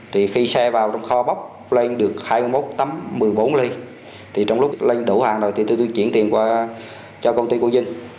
thì khi xe vào trong kho bốc lên được hai mươi một tấm một mươi bốn ly thì trong lúc lên đủ hàng rồi thì tôi chuyển tiền qua cho công ty của dinh